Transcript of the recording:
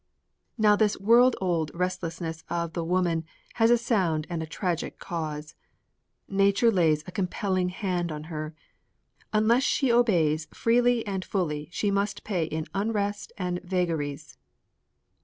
Now this world old restlessness of the women has a sound and a tragic cause. Nature lays a compelling hand on her. Unless she obeys freely and fully she must pay in unrest and vagaries.